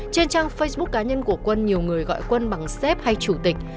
trên trang facebook cá nhân của quân nhiều người gọi quân bằng xếp hay chủ tịch